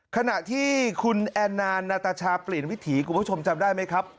ขณะที่คุณแอนนานนาตาชาเปลี่ยนวิถีคุณผู้ชมจำได้ไหมครับ